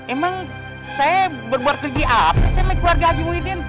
emang saya berbuat keji apa sih sama keluarga haji muhyiddin